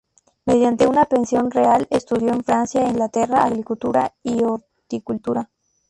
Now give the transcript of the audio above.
Mediante una pensión real estudió en Francia e Inglaterra agricultura y horticultura.